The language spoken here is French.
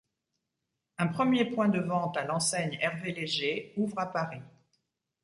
Un premier point de vente à l'enseigne Hervé Léger ouvre à Paris.